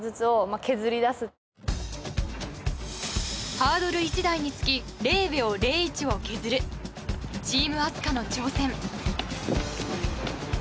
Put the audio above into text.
ハードル１台につき０秒０１を削るチームあすかの挑戦。